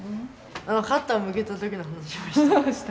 カッター向けた時の話もした。